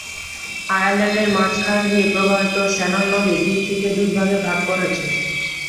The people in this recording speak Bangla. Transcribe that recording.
আয়ারল্যান্ডের মাঝখান দিয়ে প্রবাহিত শ্যানন নদী দ্বীপটিকে দুইভাগে ভাগ করেছে।